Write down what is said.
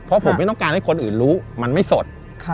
เพราะผมไม่ต้องการให้คนอื่นรู้มันไม่สด